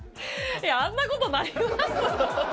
いや、あんなことなります？